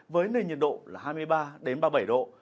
với nền nhiệt độ là hai mươi ba ba mươi bảy độ